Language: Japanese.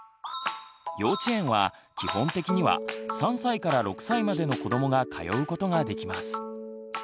幼稚園は基本的には３６歳までの子どもが通うことができます。